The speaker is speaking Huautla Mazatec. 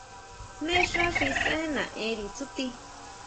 ¿Jmé xá xi saʼen nari tsúti?